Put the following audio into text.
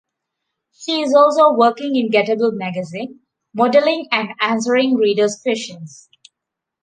She is also working in Gatebil Magazine, modelling and answering readers' questions.